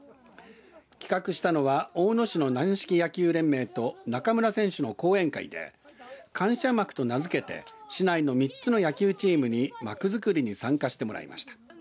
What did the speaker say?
企画したのは大野市の軟式野球連盟と中村選手の後援会で感謝幕と名付けて市内の３つ野球チームに幕作りに参加してもらいました。